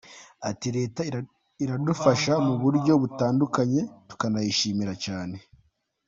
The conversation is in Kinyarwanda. Ati “Leta iradufasha mu buryo butandukanye tukanayishimira cyane.